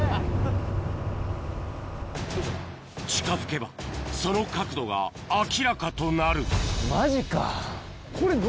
近づけばその角度が明らかとなるマジか。